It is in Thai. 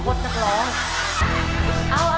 ขอบคุณครับ